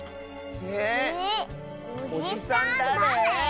えっおじさんだれ？